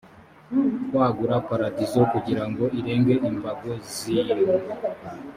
kwagura paradizo kugira ngo irenge imbago z ingo